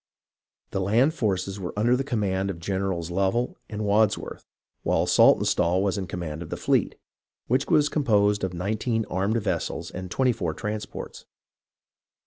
The land forces were under the command of Generals Lovell and Wads worth, while Saltonstall was in command of the fleet, which was composed of nineteen armed vessels and twenty four transports.